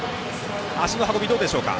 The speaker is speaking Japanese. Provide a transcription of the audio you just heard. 足の運びはどうでしょうか？